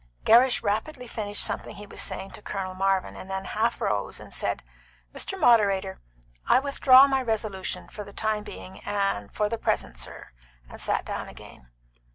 Gerrish rapidly finished something he was saying to Colonel Marvin, and then half rose, and said, "Mr. Moderator, I withdraw my resolution for the time being, and for the present, sir," and sat down again.